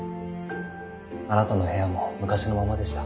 あなたの部屋も昔のままでした。